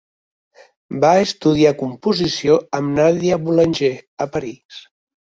Va estudiar composició amb Nadia Boulanger a París.